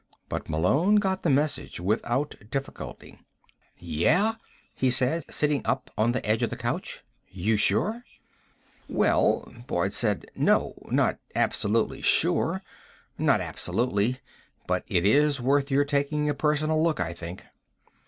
But Malone got the message without difficulty. "Yeah?" he said, sitting up on the edge of the couch. "You sure?" "Well," Boyd said, "no. Not absolutely sure. Not absolutely. But it is worth your taking a personal look, I think."